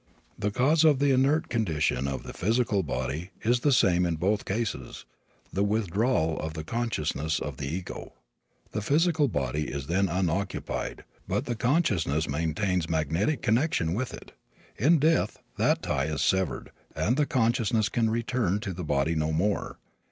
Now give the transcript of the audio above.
The cause of the inert condition of the physical body is the same in both cases the withdrawal of the consciousness of the ego. The physical body is then unoccupied, but the consciousness maintains magnetic connection with it. In death that tie is severed and the consciousness can return to the body no more.